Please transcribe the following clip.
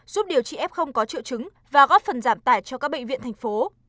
giúp điều trị f có triệu chứng và góp phần giảm tải cho các bệnh viện thành phố